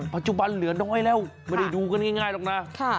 ปัจจุบันเหลือน้อยแล้วไม่ได้ดูกันง่ายหรอกนะ